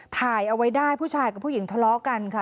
ถ่ายเอาไว้ได้ผู้ชายกับผู้หญิงทะเลาะกันค่ะ